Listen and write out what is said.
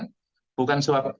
bukan sebaliknya kewajibannya nu